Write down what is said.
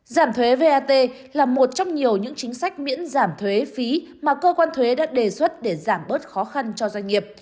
giảm thuế vat là một trong nhiều những chính sách miễn giảm thuế phí mà cơ quan thuế đã đề xuất để giảm bớt khó khăn cho doanh nghiệp